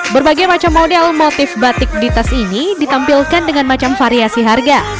berbagai macam model motif batik ditas ini ditampilkan dengan macam variasi harga